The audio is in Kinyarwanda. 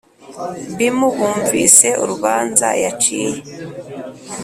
Bm bumvise urubanza yaciye